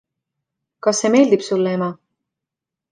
Kas see meeldib sulle, ema?